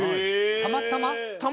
たまたま？